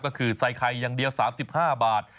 ก็คือใส่ไข่อย่างเดียว๓๕บาท